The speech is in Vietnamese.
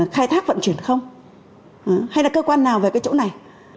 khai thác vận chuyển không hay là cơ quan nào về cái chỗ này